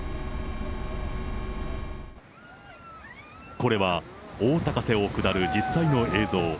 これは大高瀬を下る実際の映像。